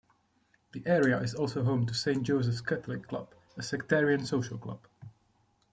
The area is also home to Saint Joseph's Catholic Club, a sectarian social club.